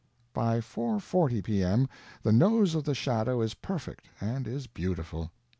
By 4:40 P.M. the nose of the shadow is perfect and is beautiful.